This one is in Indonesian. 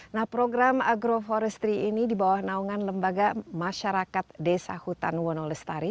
nah program agroforestry ini di bawah naungan lembaga masyarakat desa hutan wonolestari